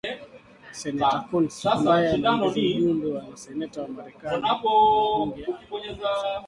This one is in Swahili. Seneta Coons ambaye anaongoza ujumbe wa Maseneta wa Marekani na wabunge amempongeza